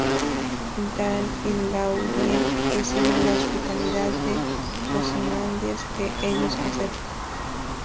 Dan y Laurie reciben la hospitalidad de Ozymandias, que ellos aceptan.